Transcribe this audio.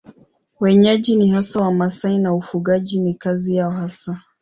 Wenyeji ni hasa Wamasai na ufugaji ni kazi yao hasa.